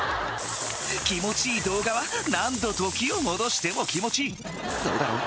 気持ちいい動画は何度時を戻しても気持ちいいそうだろ？